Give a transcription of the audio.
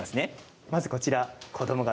まずこちらですね